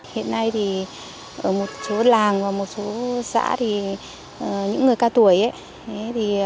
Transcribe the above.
hiện nay thì ở một số làng và một số xã thì những người cao tuổi